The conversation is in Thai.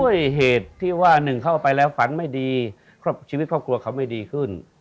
เพราะด้วยเหตุที่บ้านึงเข้าไปแล้วฝันไม่ดีของชีวิตครับคลัวเขาไม่ดีขึ้น